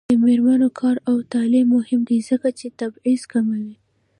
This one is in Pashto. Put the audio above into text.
د میرمنو کار او تعلیم مهم دی ځکه چې تبعیض کموي.